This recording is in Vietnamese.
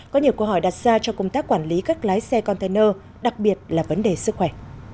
có nhiều câu hỏi đặt ra cho công tác quản lý các lái xe container đặc biệt là vấn đề sức khỏe